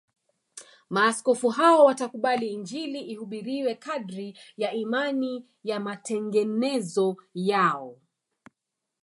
Maaskofu hao watakubali Injili ihubiriwe kadiri ya imani ya matengenezo yao